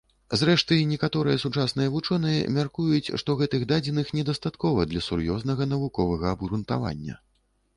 Зрэшты, некаторыя сучасныя вучоныя мяркуюць, што гэтых дадзеных недастаткова для сур'ёзнага навуковага абгрунтавання.